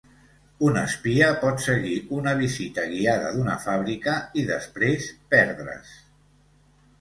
Un espia pot seguir una visita guiada d'una fàbrica i després "perdre's".